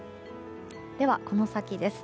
では、この先です。